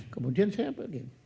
kemudian saya pergi